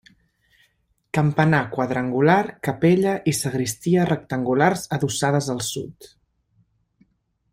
Campanar quadrangular, capella i sagristia rectangulars adossades al sud.